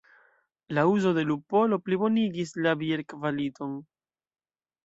La uzo de lupolo plibonigis la bierkvaliton.